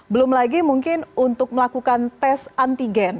belum lagi mungkin untuk melakukan tes antigen